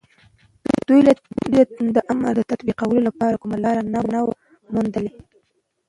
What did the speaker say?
دوی د امر د تطبيقولو لپاره کومه لاره نه وه موندلې.